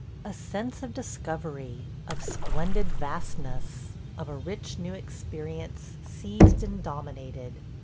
... A sense of discovery, of splendid vastness, of a rich new experience seized and dominated.